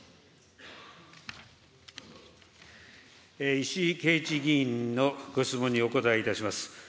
石井啓一議員のご質問にお答えいたします。